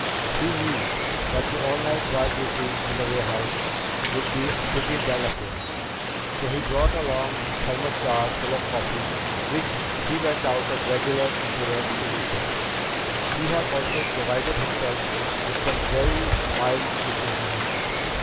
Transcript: He knew that the all night guard duty in the warehouse would be a pretty dull affair, so he brought along a thermos jar of coffee which he went out at regular intervals to refill. He had also provided himself with some very mild sleeping pills.